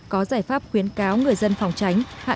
có giải pháp khuyến cáo người dân phòng tránh